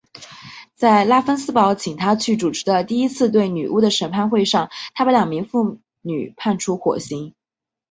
在拉芬斯堡请他去主持的第一次对女巫的审判会上他把两名妇女判处火刑。